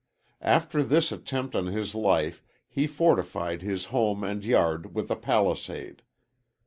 After this attempt on his life he fortified his home and yard with a palisade.